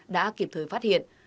đã kịp thời phát hiện